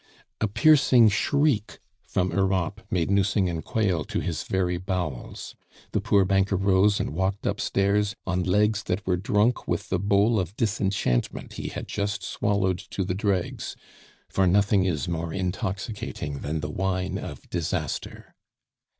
A piercing shriek from Europe made Nucingen quail to his very bowels. The poor banker rose and walked upstairs on legs that were drunk with the bowl of disenchantment he had just swallowed to the dregs, for nothing is more intoxicating than the wine of disaster.